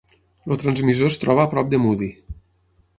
El transmissor es troba a prop de Moody.